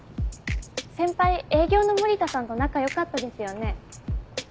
先輩営業の森田さんと仲良かったですよね？